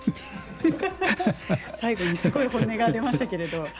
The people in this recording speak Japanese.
ハハハハ最後にすごい本音が出ましたけれど。